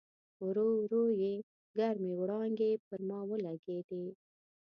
ورو ورو یې ګرمې وړانګې پر ما ولګېدې.